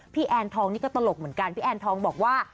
แอนทองนี่ก็ตลกเหมือนกันพี่แอนทองบอกว่า